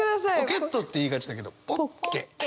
「ポケット」って言いがちだけど「ポッケ」。